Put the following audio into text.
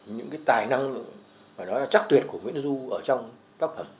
những cái tài năng trắc tuyệt của nguyễn đức du ở trong tác phẩm